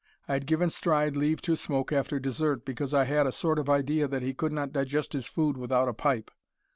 I had given Stride leave to smoke after dessert, because I had a sort of idea that he could nor digest his food without a pipe.